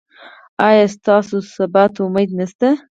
ایا ستاسو سبا ته امید نشته؟